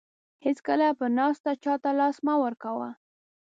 هیڅکله په ناسته چاته لاس مه ورکوه.